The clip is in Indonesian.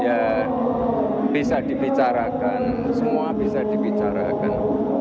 ya bisa dibicarakan semua bisa dibicarakan